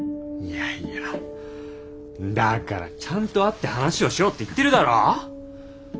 だからちゃんと会って話をしようって言ってるだろ。